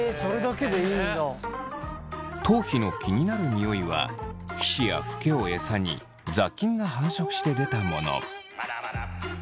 頭皮の気になるニオイは皮脂やフケを餌に雑菌が繁殖して出たもの。